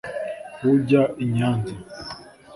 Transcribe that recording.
ujya i Nyanza